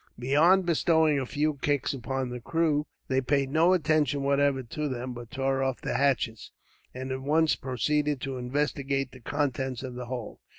Beyond bestowing a few kicks upon the crew, they paid no attention whatever to them; but tore off the hatches, and at once proceeded to investigate the contents of the hold.